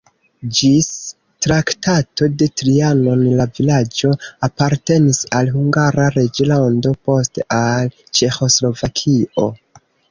Ĝis Traktato de Trianon la vilaĝo apartenis al Hungara reĝlando, poste al Ĉeĥoslovakio.